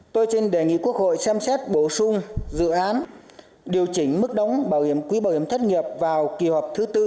tôi xin đề nghị quốc hội xem xét bổ sung dự án điều chỉnh mức đóng quý bảo hiểm thất nghiệp vào kỳ họp thứ bốn